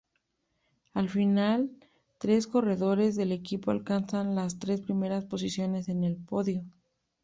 Al final, tres corredores del equipo alcanzan las tres primeras posiciones en el podio.